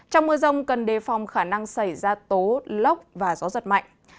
trong mưa rông cần đề phòng khả năng xảy ra tố lốc và gió giật mạnh